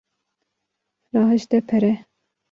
Rahişte pere.